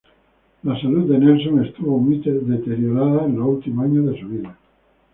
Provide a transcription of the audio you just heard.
La salud de Nelson estuvo muy deteriorada en los últimos años de su vida.